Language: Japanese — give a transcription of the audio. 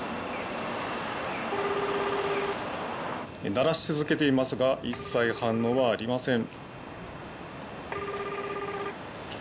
鳴らし続けていますが一切反応はありません。